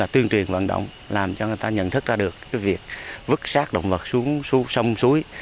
tuyên truyền vận động làm cho người ta nhận thức ra được việc vứt sát động vật xuống xuống sông suối